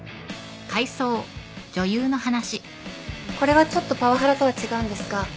これはちょっとパワハラとは違うんですが